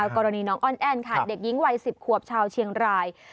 กรณีน้องอ้อนแอ้นค่ะเด็กหญิงวัย๑๐ขวบชาวเชียงราย